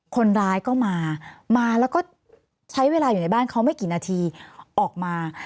คนร้ายก็มามาแล้วก็ใช้เวลาอยู่ในบ้านเขาไม่กี่นาทีออกมา